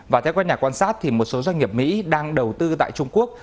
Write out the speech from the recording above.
và theo các nhà quan sát một số doanh nghiệp mỹ đang đầu tư tại trung quốc